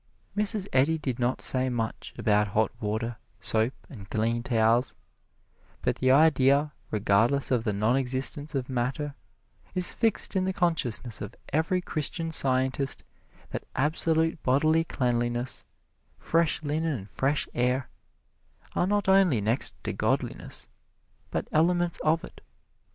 Mrs. Eddy did not say much about hot water, soap and clean towels; but the idea, regardless of the non existence of matter, is fixed in the consciousness of every Christian Scientist that absolute bodily cleanliness, fresh linen and fresh air are not only next to godliness, but elements of it.